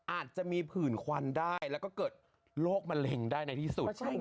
อาจจะมีผื่นควันได้แล้วก็เกิดโรคมะเร็งได้ในที่สุด